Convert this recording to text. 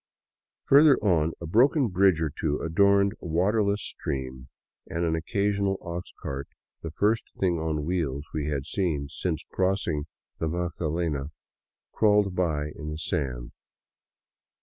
Further on, a broken bridge or two adorned a waterless stream, and an occasional ox cart, the first thing on wheels we had seen since crossing the Magdalena, crawled by in the sand.